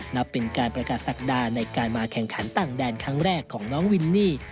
นับเป็นการประกาศศักดาในการมาแข่งขันต่างแดนครั้งแรกของน้องวินนี่